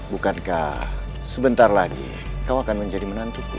bukankah sebentar lagi kau akan menjadi menantuku